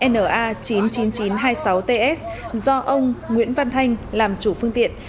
na chín mươi chín nghìn chín trăm hai mươi sáu ts do ông nguyễn văn thanh làm chủ phương tiện